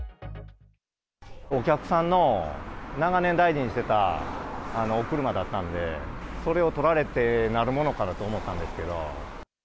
お客さんの長年大事にしてたお車だったんで、それをとられてなるものかなと思ったんですけど。